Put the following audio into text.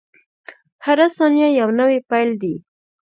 • هره ثانیه یو نوی پیل دی.